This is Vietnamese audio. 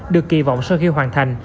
được kỳ vọng sau khi hoàn thành